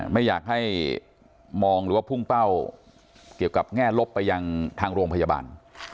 ไม่อยากให้มองหรือว่าพุ่งเป้าเกี่ยวกับแง่ลบไปยังทางโรงพยาบาล